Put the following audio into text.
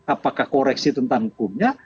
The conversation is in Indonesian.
apakah koreksi tentang hukumnya